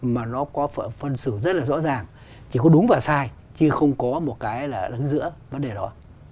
mà nó có phân xử rất là rõ ràng chỉ có đúng và sai chứ không có một cái là đứng giữa vấn đề đó